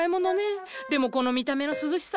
でもこの見た目の涼しさ。